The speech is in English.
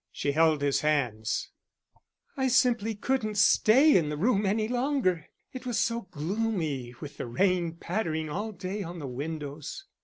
She held his hands. "I simply couldn't stay in the room any longer. It was so gloomy, with the rain pattering all day on the windows."